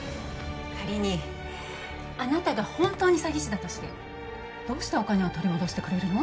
仮にあなたが本当に詐欺師だとしてどうしてお金を取り戻してくれるの？